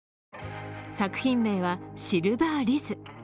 作品名は「シルバー・リズ」。